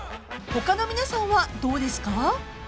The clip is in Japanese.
他の皆さんはどうですか？］